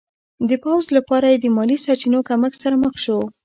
د پوځ لپاره یې د مالي سرچینو کمښت سره مخ شو.